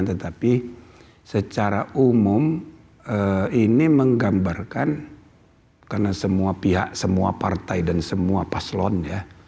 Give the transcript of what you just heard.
tetapi secara umum ini menggambarkan karena semua pihak semua partai dan semua paslon ya